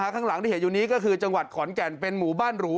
ข้างหลังที่เห็นอยู่นี้ก็คือจังหวัดขอนแก่นเป็นหมู่บ้านหรู